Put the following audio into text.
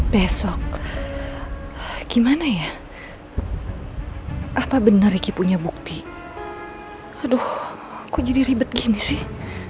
besok gimana ya apa benar riki punya bukti aduh aku jadi ribet gini sih